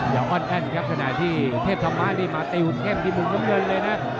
อย่าอ้อนแท่นครับธนาที่เทพธรรมดีมาตีหุบเข้มที่มุมกำเนินเลยนะ